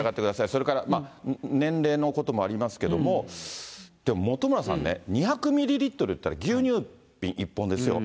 それから年齢のこともありますけれども、本村さんね、２００ミリリットルっていったら、牛乳瓶１本ですよ。